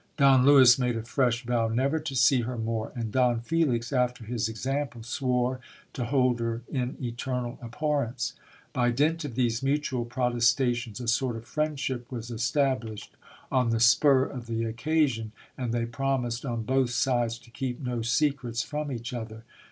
Don Lewis made a fresh vow never to see her more, and Don Felix, after his example, swore to hold her in eternal abhorrence. By dint of these mutual protestations a sort of friendship was established on the spur of the occasion, and they promised on both sides to keep no secrets from each other.